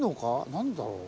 何だろう。